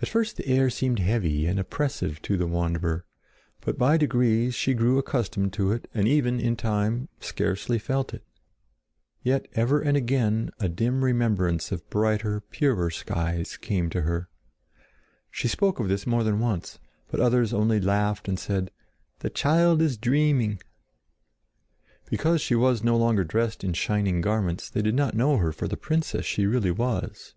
At first the air seemed heavy and oppressive to the wanderer; but by degrees she grew accustomed to it and even, in time, scarcely felt it. Yet ever and again a dim remembrance of brighter, purer skies came to her. She spoke of this more than once; but others only laughed and said: "The child is dreaming!" Because she was no longer dressed in shining garments, they did not know her for the princess she really was.